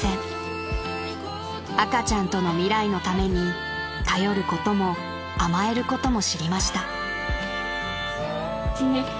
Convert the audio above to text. ［赤ちゃんとの未来のために頼ることも甘えることも知りました］